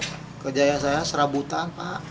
pekerja saya serabutan pak